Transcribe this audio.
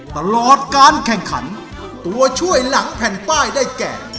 ตลอดการแข่งขันตัวช่วยหลังแผ่นป้ายได้แก่